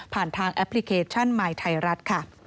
ผ่านทางแอปพลิเคชันมายไทยรัฐ